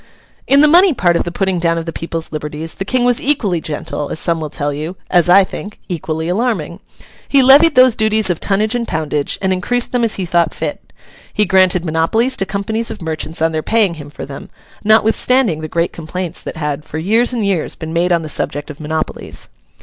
In the money part of the putting down of the people's liberties, the King was equally gentle, as some will tell you: as I think, equally alarming. He levied those duties of tonnage and poundage, and increased them as he thought fit. He granted monopolies to companies of merchants on their paying him for them, notwithstanding the great complaints that had, for years and years, been made on the subject of monopolies.